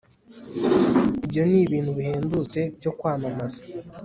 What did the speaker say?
Ibyo ni ibintu bihendutse byo kwamamaza